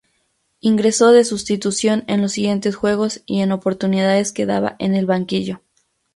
Ingresó de sustitución en los siguientes juegos y en oportunidades quedaba en el banquillo.